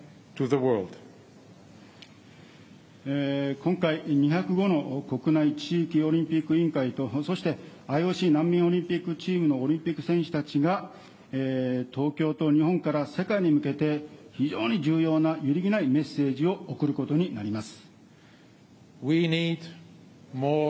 今回、２０５の国内地域オリンピック委員会と、そして、ＩＯＣ難民オリンピックチームのオリンピック選手たちが、東京と日本から世界に向けて、非常に重要な揺るぎないメッセージを送ることになります。